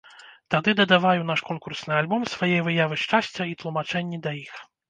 Тады дадавай ў наш конкурсны альбом свае выявы шчасця і тлумачэнні да іх.